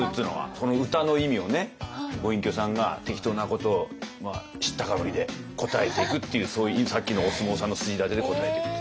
この歌の意味をご隠居さんが適当なことを知ったかぶりで答えていくっていうそういうさっきのお相撲さんの筋立てで答えていくと。